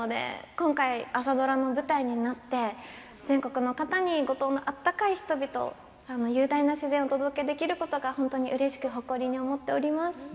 今回、朝ドラの舞台になって全国の方に五島の温かい人々と雄大な自然をお届けできることを誇りに思っております。